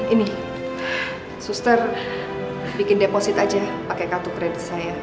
ini suster bikin deposit aja pakai kartu kredit saya